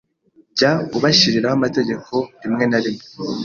Jya ubashyiriraho amategeko rimwe na rimwe